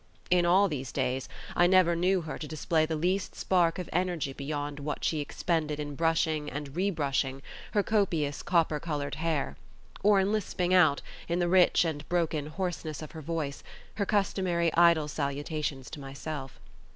In all these days, I never knew her to display the least spark of energy beyond what she expended in brushing and re brushing her copious copper coloured hair, or in lisping out, in the rich and broken hoarseness of her voice, her customary idle salutations to myself.